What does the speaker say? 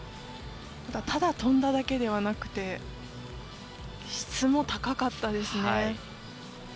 ただ跳んだだけではなくて質も高かったですね。